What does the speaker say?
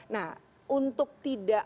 nah untuk tidak